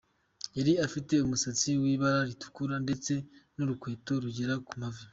Yari afite umusatsi w’ibara ritukura ndetse n’urukweto rugera ku mavi.